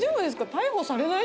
逮捕されない？